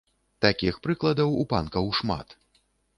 Такіх прыкладаў у панкаў шмат.